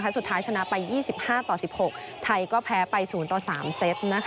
ชนะไป๒๕ต่อ๑๖ไทยก็แพ้ไป๐ต่อ๓เซต